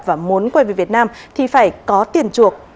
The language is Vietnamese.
và muốn quay về việt nam thì phải có tiền chuộc